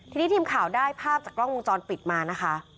ทีนี้ทีมข่าวได้ภาพจากกล้องวงจรปิดมานะคะ